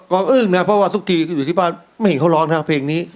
ก็อื้มนะเพราะว่าสุกทีออกที่บ้านไม่เห็นเค้าร้องร้องเพลงนี้